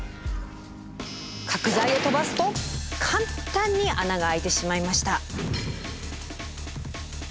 角材を飛ばすと簡単に穴が開いてしまいました。